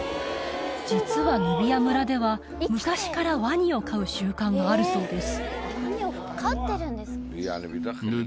実はヌビア村では昔からワニを飼う習慣があるそうです